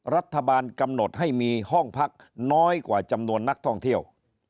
รัฐบาลกำหนดให้มีห้องพักน้อยกว่าจำนวนนักท่องเที่ยว